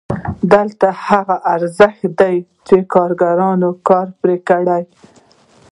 دا هغه ارزښت دی چې کارګرانو کار پرې کړی